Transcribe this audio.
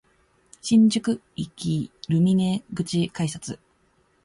新宿駅ルミネ口改札